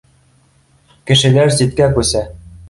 Кешеләр ситкә күсә